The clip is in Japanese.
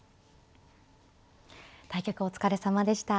対局お疲れさまでした。